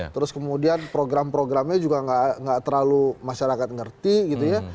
terus kemudian program programnya juga nggak terlalu masyarakat ngerti gitu ya